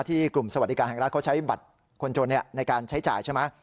กลุ่มสวัสดิการแห่งรัฐเขาใช้บัตรคนจนในการใช้จ่ายใช่ไหม